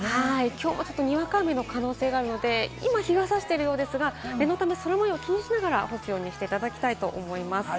きょうもにわか雨の可能性があるので、今は日がさしているようですが、念のため空模様を気にしながら干すようにしていただきたいと思います。